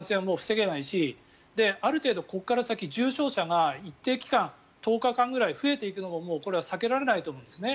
今までの感染は防げないしここからはある程度重症者が一定期間１０日間ぐらい増えていくのがもうこれは避けられないと思うんですね。